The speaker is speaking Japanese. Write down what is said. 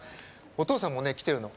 お父さんも来てるの。